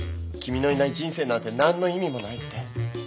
君のいない人生なんて何の意味もないって。